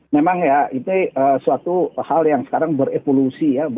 memang ya itu suatu hal yang sekarang berevolusi ya